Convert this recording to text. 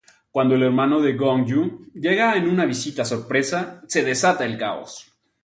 Cuando el hermano de Gong-ju llega en una visita sorpresa, se desata el caos.